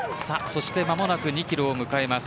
間もなく２キロを迎えます。